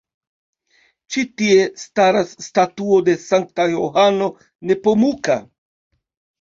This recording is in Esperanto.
Ĉi tie staras statuo de Sankta Johano Nepomuka.